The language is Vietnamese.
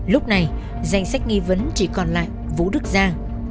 lúc này danh sách nghi vấn chỉ còn lại vũ đức giang